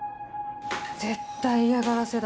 絶対嫌がらせだ。